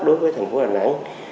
đối với thành phố hà nẵng